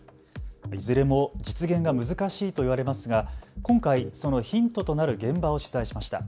いずれも実現が難しいといわれますが今回そのヒントとなる現場を取材しました。